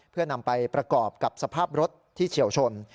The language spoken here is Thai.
เพื่อนำไปประกอบกับสภาพรถที่เฉียวชน